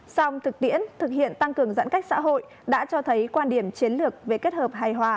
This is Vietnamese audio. song thực tiễn thực hiện tăng cường giãn cách xã hội đã cho thấy quan điểm chiến lược về kết hợp hài hòa